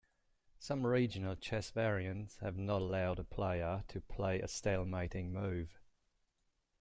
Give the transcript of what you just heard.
Some regional chess variants have not allowed a player to play a stalemating move.